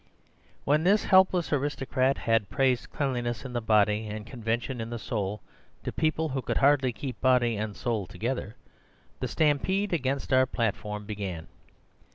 "When this helpless aristocrat had praised cleanliness in the body and convention in the soul to people who could hardly keep body and soul together, the stampede against our platform began.